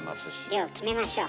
量決めましょう。